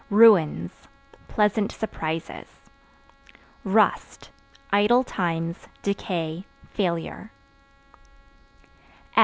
Ruins Pleasant surprises. Rust Idle times, decay, failure.